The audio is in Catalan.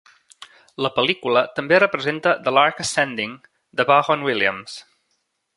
La pel·lícula també representa "The Lark Ascending" de Vaughan Williams.